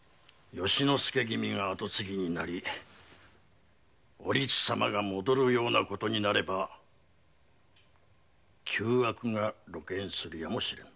由之助君が跡継ぎになりおりつ様が戻るような事になれば旧悪が露見するやもしれぬ。